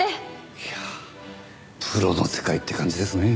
いやプロの世界って感じですね。